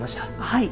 はい。